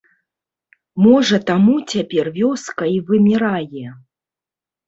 Можа таму цяпер вёска і вымірае?